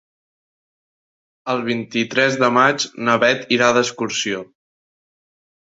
El vint-i-tres de maig na Bet irà d'excursió.